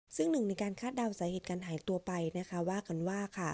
ซึ่งหนึ่งในการคาดเดาสาเหตุการหายตัวไปนะคะว่ากันว่าค่ะ